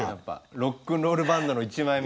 ロックンロールバンドの１枚目。